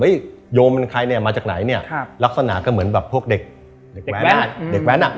เฮ้ยโยมเป็นใครเนี่ยมาจากไหนเนี่ยลักษณะก็เหมือนแบบพวกเด็กแว่นหนัก